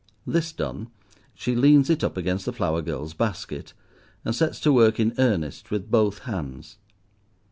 This done, she leans it up against the flower girl's basket, and sets to work in earnest with both hands.